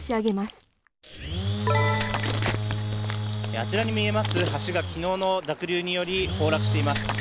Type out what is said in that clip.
あちらに見えます橋が昨日の濁流により崩落しています。